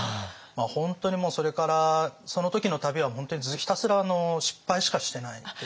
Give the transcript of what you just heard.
本当にもうそれからその時の旅は本当にひたすら失敗しかしてないですね。